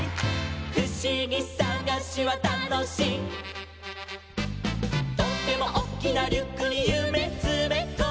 「ふしぎさがしはたのしい」「とってもおっきなリュックにゆめつめこんで」